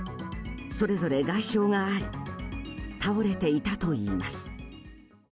それぞれ外傷があり倒れていたといいます。